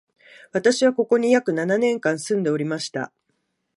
私は、ここに約七年間住んでおりました